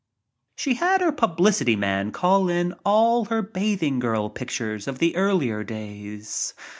She had her publicity man call in all her bathing girl pictures of the earlier days.